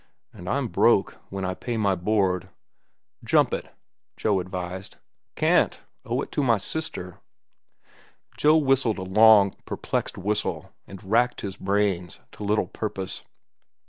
"And I'm broke—when I pay my board." "Jump it," Joe advised. "Can't. Owe it to my sister." Joe whistled a long, perplexed whistle, and racked his brains to little purpose.